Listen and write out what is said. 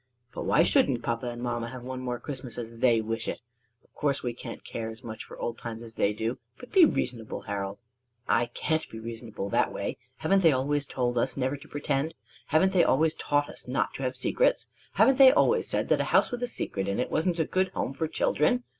"But why shouldn't papa and mamma have one more Christmas as they wish it! Of course we can't care as much for old times as they do; but be reasonable, Harold!" "I can't be reasonable that way. Haven't they always told us never to pretend? Haven't they always taught us not to have secrets? Haven't they always said that a house with a secret in it wasn't a good home for children?